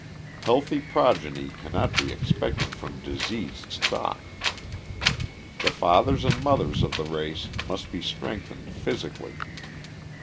Healthy progeny cannot be expected from diseased stock. The fathers and mothers of the race must be strengthened physically.